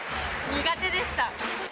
苦手でした。